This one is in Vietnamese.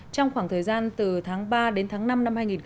trong khoảng thời gian từ tháng ba đến tháng năm năm hai nghìn một mươi sáu